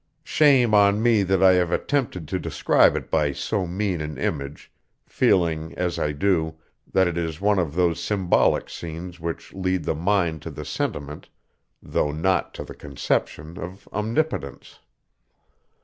Shame on me that I have attempted to describe it by so mean an image feeling, as I do, that it is one of those symbolic scenes which lead the mind to the sentiment, though not to the conception, of Omnipotence.